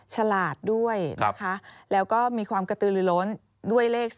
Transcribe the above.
ฉลาดด้วยนะคะแล้วก็มีความกระตือลือล้นด้วยเลข๓